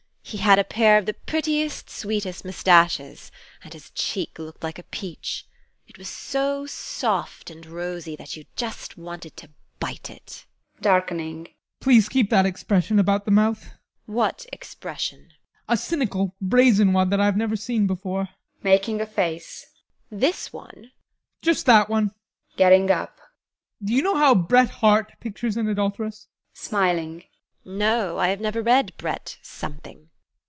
He had a pair of the prettiest, sweetest moustaches, and his cheek looked like a peach it was so soft and rosy that you just wanted to bite it. ADOLPH. [Darkening] Please keep that expression about the mouth. TEKLA. What expression? ADOLPH. A cynical, brazen one that I have never seen before. TEKLA. [Making a face] This one? ADOLPH. Just that one! [Getting up] Do you know how Bret Harte pictures an adulteress? TEKLA. [Smiling] No, I have never read Bret Something.